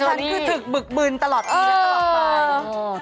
ชั้นคือตึกบึกบืนตลอดทีและตลอดฝัน